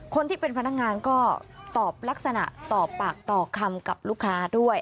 คนที่เป็นพนักงานก็ตอบลักษณะต่อปากต่อคำกับลูกค้าด้วย